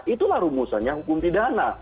itulah rumusannya hukum pidana